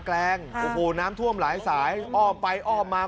แรงโอ้โหน้ำท่วมหลายสายอ้อมไปอ้อมมา